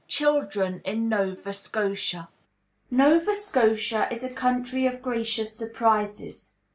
Children in Nova Scotia. Nova Scotia is a country of gracious surprises.